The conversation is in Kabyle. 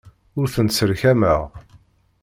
Ur tent-sserkameɣ.